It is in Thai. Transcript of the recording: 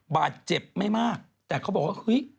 บาดเจ็บไม่มากแต่เขาบอกว่าเฮ้ย